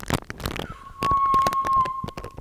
He died in Agen, Aquitaine, France.